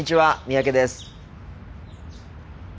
三宅です。